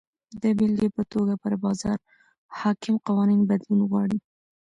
د بېلګې په توګه پر بازار حاکم قوانین بدلون غواړي.